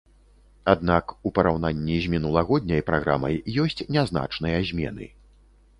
Аднак, у параўнанні з мінулагодняй праграмай, ёсць нязначныя змены.